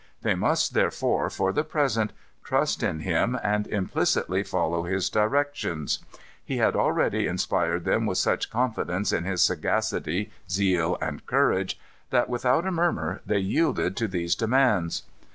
They must therefore, for the present, trust in him and implicitly follow his directions. He had already inspired them with such confidence in his sagacity, zeal, and courage, that, without a murmur, they yielded to these demands.